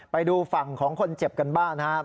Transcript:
ไปดูฝั่งของคนเจ็บกันบ้างนะครับ